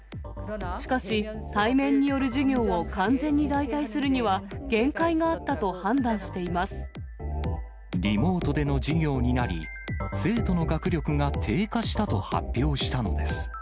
しかし、対面による授業を完全に代替するには限界があったと判断していまリモートでの授業になり、生徒の学力が低下したと発表したのです。